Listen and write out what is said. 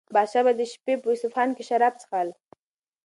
پادشاه به د شپې په اصفهان کې شراب څښل.